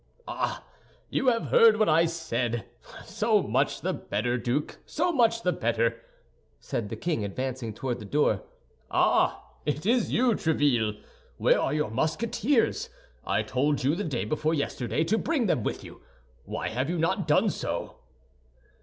"Ah! You have heard what I said? So much the better, Duke, so much the better," said the king, advancing toward the door. "Ah! It is you, Tréville. Where are your Musketeers? I told you the day before yesterday to bring them with you; why have you not done so?"